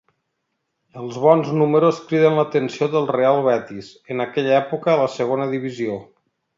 Els bons números criden l'atenció del Real Betis, en aquella època a la Segona Divisió.